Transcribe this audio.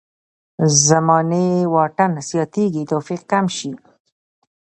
زماني واټن زیاتېږي توفیق کم شي.